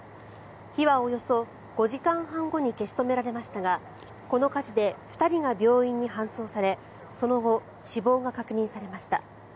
火はおよそ５時間半後に消し止められましたがこの火事で２人が病院に搬送されその後、死亡が確認されました。